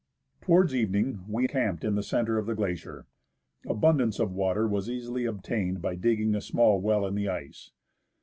Towards evening, we camped in the centre of the glacier. Abundance of water was easily obtained by digging a small well in the ice.